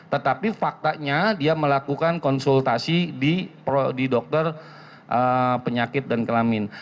tetapi faktanya dia melakukan konsultasi di dokter penyakit dan kelamin